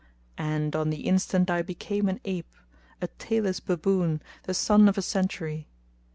And on the instant I became an ape, a tailless baboon, the son of a century[FN#226].